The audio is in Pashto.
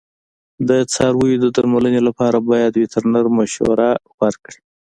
د څارویو د درملنې لپاره باید وترنر مشوره ورکړي.